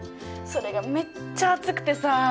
それがめっちゃ熱くてさ。